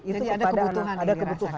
jadi ada kebutuhan